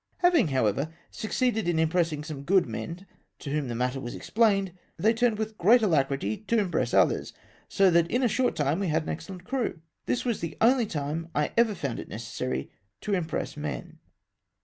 Having, however, succeeded in impressing some good men, to whom the matter was explained, they tmiied to with great alacrity to impress others ; so that in a short time we had an excellent crew. This was the only time I ever found it necessary to impress men.